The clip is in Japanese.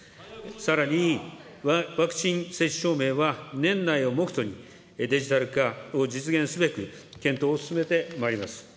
さらに、ワクチン接種証明は年内を目途にデジタル化を実現すべく、検討を進めてまいります。